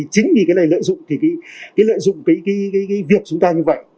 chính vì lợi dụng việc chúng ta như vậy